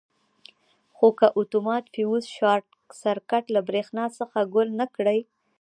خو که اتومات فیوز شارټ سرکټ له برېښنا څخه ګل نه کړي.